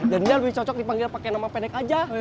dan dia lebih cocok dipanggil pakai nama pendek aja